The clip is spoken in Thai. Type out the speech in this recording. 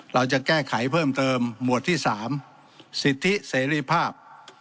เราจะแก้ไขเพิ่มเติมหมวดที่๓สิทธิเสรีภาพ